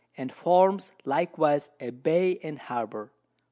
and forms likewise a Bay and Harbour.